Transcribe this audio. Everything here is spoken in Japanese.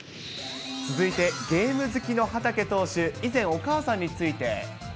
続いてゲーム好きの畠投手、以前、お母さんについて。